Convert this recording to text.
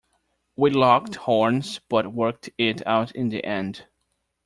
We locked horns but worked it out in the end.